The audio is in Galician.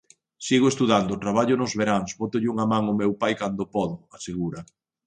Sigo estudando, traballo nos veráns, bótolle unha man ao meu pai cando podo, asegura.